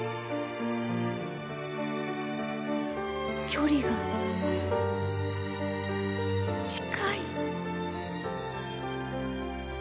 距離が近い！